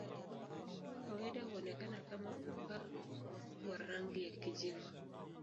Kwa kawaida huonekana kama unga wa rangi ya kijivu.